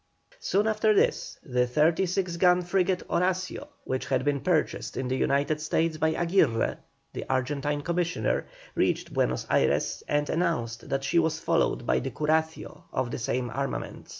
Soon after this the 36 gun frigate Horacio, which had been purchased in the United States by Aguirre, the Argentine commissioner, reached Buenos Ayres, and announced that she was followed by the Curacio of the same armament.